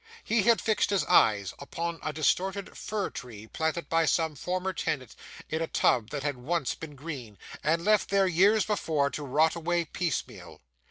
He had fixed his eyes upon a distorted fir tree, planted by some former tenant in a tub that had once been green, and left there, years before, to rot away piecemeal.